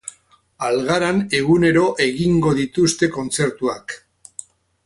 Algaran egunero egingo dituzte kontzertuak.